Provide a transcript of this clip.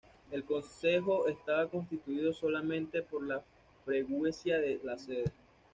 El concejo estaba constituido solamente por la freguesía de la sede.